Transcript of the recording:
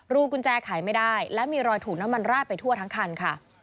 กุญแจขายไม่ได้และมีรอยถูกน้ำมันราดไปทั่วทั้งคันค่ะ